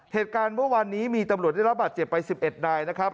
เหตุการณ์เมื่อวานนี้มีตำรวจได้รับบาดเจ็บไป๑๑นายนะครับ